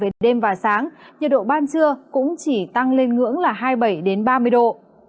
về đêm và sáng nhiệt độ ban trưa cũng chỉ tăng lên ngưỡng là hai mươi bảy ba mươi độ